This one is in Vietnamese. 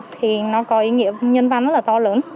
thì nó có ý nghĩa nhân văn rất là to lớn